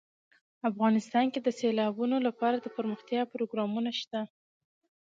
افغانستان کې د سیلابونه لپاره دپرمختیا پروګرامونه شته.